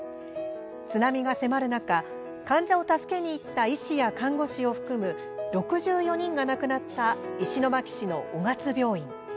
津波が迫る中、患者を助けに行った医師や看護師を含む６４人が亡くなった石巻市の雄勝病院。